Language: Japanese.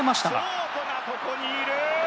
ショートがここにいる。